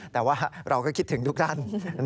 แต่ว่าเราก็คิดถึงทุกท่าน